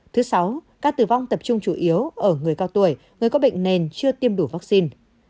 thứ sáu ca tử vong tập trung chủ yếu ở người cao tuổi người có bệnh nền chưa tiêm đủ vaccine